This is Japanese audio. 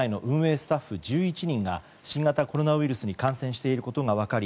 スタッフ１１人が新型コロナウイルスに感染していることが分かり